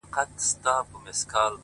د دوى څه هيڅكله گيله نه كوم.!